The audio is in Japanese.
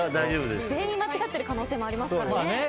全員、間違っている可能性もありますからね。